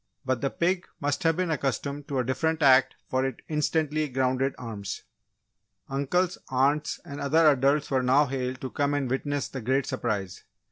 but the pig must have been accustomed to a different act for it instantly grounded arms. Uncles, aunts, and other adults were now hailed to come and witness the great surprise.